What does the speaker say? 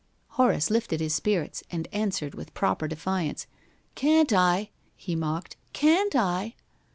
Horace lifted his spirits and answered with proper defiance. "Can't I?" he mocked. "Can't I?"